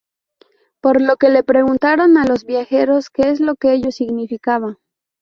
Por lo que le preguntaron a los viajeros que es lo que ello significaba.